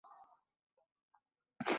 কার সাথে দেখা করতে গেছে?